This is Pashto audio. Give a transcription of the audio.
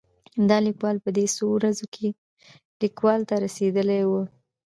دا لیکونه په دې څو ورځو کې لیکوال ته رسېدلي وو.